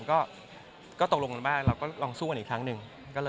ก็ตกลงกันบ้างเราก็ลองสู้กันอีกครั้งหนึ่ง